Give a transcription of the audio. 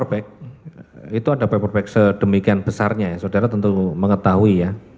iya saya yang meminta tentang ukuran paperback itu ada paperback sedemikian besarnya ya saudara tentu mengetahui ya